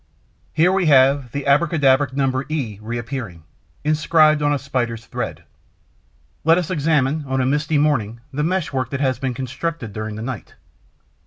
Here we have the abracadabric number e reappearing, inscribed on a Spider's thread. Let us examine, on a misty morning, the meshwork that has been constructed during the night.